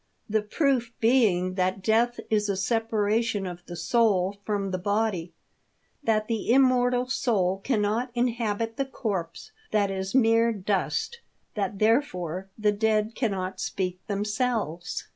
The proof being that death is a separation of the soul from the body, that the immortal soul cannot inhabit the corpse that is mere dust, that therefore the dead cannot speak, themselves, J 2 THE DEATH SHIP.